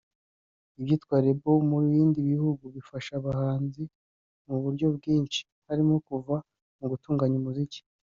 Ibyitwa Labels mu bindi bihugu bifasha abahanzi mu buryo bwinshi harimo kuva mu gutunganya umuziki